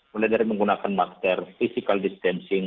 mulai dari menggunakan masker physical distancing